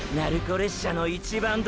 列車の一番ド